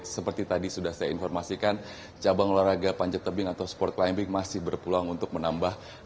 seperti tadi sudah saya informasikan cabang olahraga panjat tebing atau sport climbing masih berpeluang untuk menambah